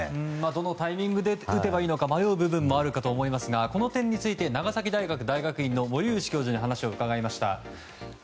どのタイミングで打てばいいか迷う部分もあると思いますがこの点について長崎大学大学院の森内教授にお話を伺いました。